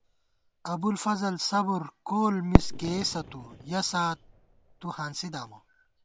ابُوالفضل صبُر کول مِز کېئیسہ تُو ، یَہ سَہات تُو ہانسی دامہ